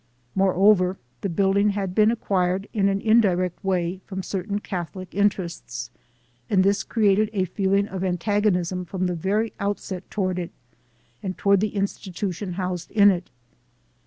Moreover, the building had been acquired in an indirect way from certain Catholic interests, and this created a feeling of antagonism from the very outset toward it and toward the institution housed in it.